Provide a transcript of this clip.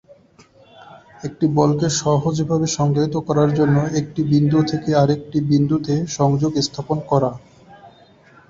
একটি বলকে সহজভাবে সংজ্ঞায়িত করার জন্য একটি বিন্দু থেকে আরেকটি বিন্দুতে সংযোগ সংযোগ স্থাপন করা।